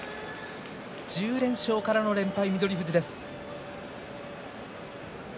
１０連勝からの連敗、翠富士です。